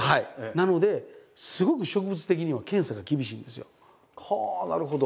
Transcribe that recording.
なのですごく植物的には検査が厳しいんですよ。はあなるほど。